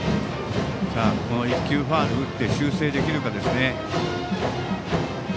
１球ファウルを打って修正できるかですね。